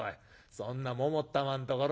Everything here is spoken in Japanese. そんなももったまんところ。